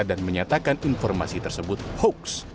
dan menyatakan informasi tersebut hoax